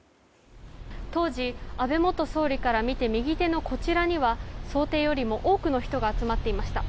当時安倍元総理から見て右手のこちらには、想定よりも多くの人が集まっていました。